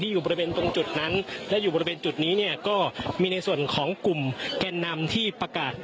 อยู่บริเวณตรงจุดนั้นและอยู่บริเวณจุดนี้เนี่ยก็มีในส่วนของกลุ่มแก่นนำที่ประกาศ